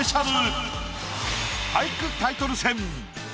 俳句タイトル戦。